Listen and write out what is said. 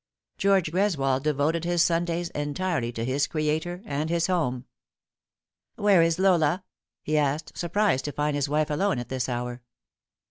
George Greswold devoted his Sundays entirely to his Creator and his home. " Where is Lola ?" he asked, surprised to find his wife alone at this hour.